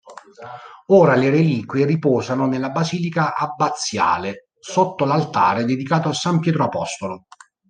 Ora le reliquie riposano nella basilica abbaziale sotto l'altare dedicato a San Pietro apostolo.